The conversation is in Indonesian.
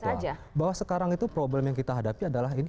satu hal bahwa sekarang itu problem yang kita hadapi adalah karena saya